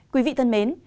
quý vị thân mến